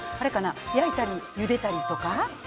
焼いたり茹でたりとか？